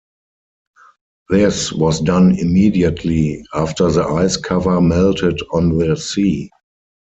This was done immediately after the ice cover melted on the sea.